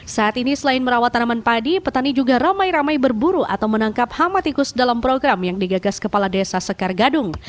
saat ini selain merawat tanaman padi petani juga ramai ramai berburu atau menangkap hama tikus dalam program yang digagas kepala desa sekar gadung